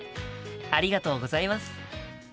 ありがとうございます。